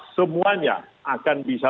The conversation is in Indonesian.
semuanya akan bisa